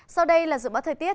sau đây là dự báo thời tiết